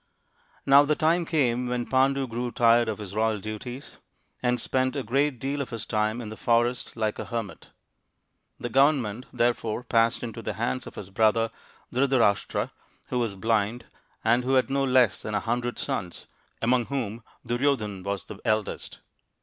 Now the time came when Pandu grew tired of his royal duties, and spent a great deal of his time in the forest like a hermit. The government, therefore, passed into the hands of his brother Dhrita rashtra, who was blind, and who had no less than a hundred sons, among whom Duryodhan was the eldest.